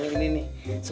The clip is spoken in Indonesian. iya kedua dula dua